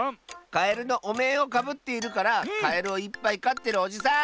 カエルのおめんをかぶっているからカエルをいっぱいかってるおじさん！